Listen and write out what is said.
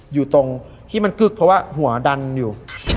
อยู่ตรงที่มันกึกเพราะว่าหัวดันอยู่